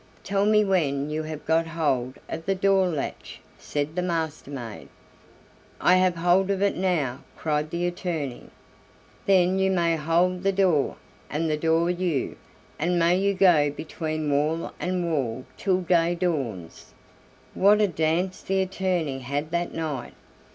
"Tell me when you have got hold of the door latch," said the Master maid. "I have hold of it now," cried the attorney. "Then you may hold the door, and the door you, and may you go between wall and wall till day dawns." What a dance the attorney had that night!